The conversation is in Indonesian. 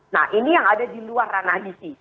nah ini yang ada di luar ranah isi